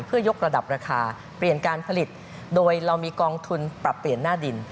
เพื่อยกระดับราคาเปลี่ยนการผลิตโดยเรามีกองทุนปรับเปลี่ยนหน้าดิน